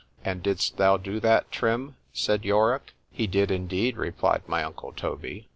—And didst thou do that, Trim? said Yorick.—He did indeed, replied my uncle _Toby.